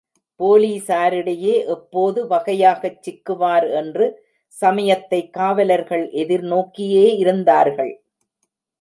போலீசாரிடையே எப்போது வகையாகச் சிக்குவார் என்று சமயத்தை காவலர்கள் எதிர்நோக்கியே இருந்தார்கள்.